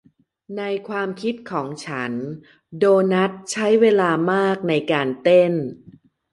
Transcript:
ในความคิดของฉันโดนัทใช้เวลามากในการเต้น